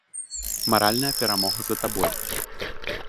Маральная перамога за табой.